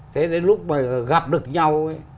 thế đến lúc mà gặp được nhau ấy